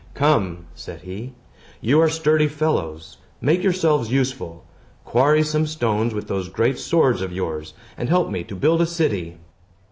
"Come!" said he. "You are sturdy fellows. Make yourselves useful! Quarry some stones with those great swords of yours, and help me to build a city."